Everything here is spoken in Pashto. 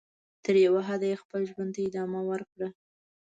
تر یوه حده یې خپل ژوند ته ادامه ورکړه.